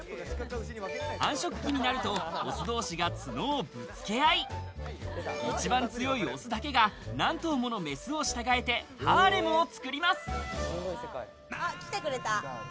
繁殖期になるとオス同士が角をぶつけ合い、一番強いオスだけが何頭ものメスを従えて、ハーレムを作ります。